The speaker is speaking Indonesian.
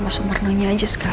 mas sumarno nya aja sekalian